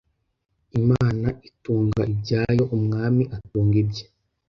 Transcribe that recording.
Imana itunga ibyayo, umwami atunga ibye